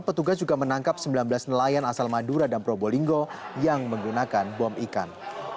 petugas juga menangkap sembilan belas nelayan asal madura dan probolinggo yang menggunakan bom ikan